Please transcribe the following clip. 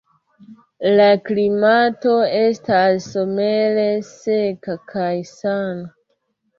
La klimato estas somere seka kaj sana.